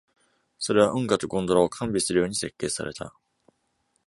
それは、運河とゴンドラを完備するように設計された。